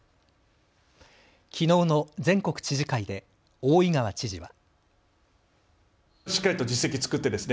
きのうの全国知事会で大井川知事は。